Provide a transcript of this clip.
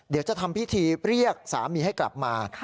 เดี๋ยวจะทำพิธีเรียกสามีให้กลับมา